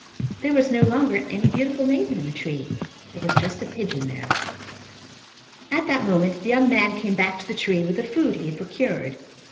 There was no longer any beautiful maiden in the tree. There was just a pigeon there. At that moment the young man came back to the tree with the food he had procured.